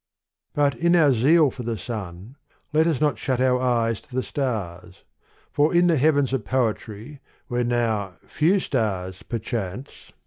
But in our zeal for the Sun, let us not shut our eyes to the stars : and in the heavens of Poetry, where now few stars, perchance